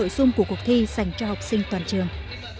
họ cũng đã tổ chức một cuộc thi dành cho học sinh toàn trường